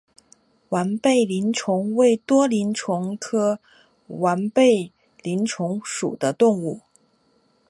完背鳞虫为多鳞虫科完背鳞虫属的动物。